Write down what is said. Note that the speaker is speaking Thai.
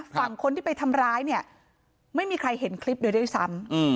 ฝั่งคนที่ไปทำร้ายเนี่ยไม่มีใครเห็นคลิปเลยด้วยซ้ำ